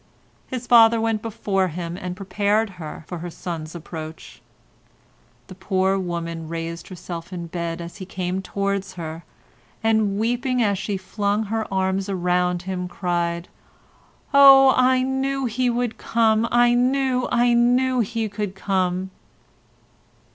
His father went before him and prepared her for her son's approach. The poor woman raised herself in bed as he came towards her, and weeping as she flung her arms around him, cried: "Oh, I knew he would come, I knew, I knew he could come."